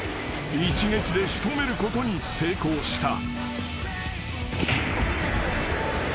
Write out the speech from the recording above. ［一撃で仕留めることに成功した］